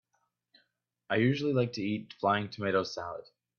I usually like to eat flying tomato salad.